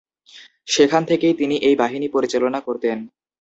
সেখান থেকেই তিনি এই বাহিনী পরিচালনা করতেন।